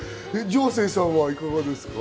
丈青さんはいかがですか？